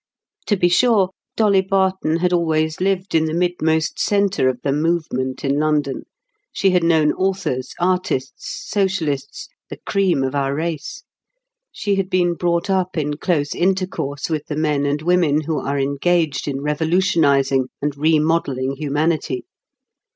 To be sure, Dolly Barton had always lived in the midmost centre of the Movement in London; she had known authors, artists, socialists, the cream of our race; she had been brought up in close intercourse with the men and women who are engaged in revolutionising and remodelling humanity.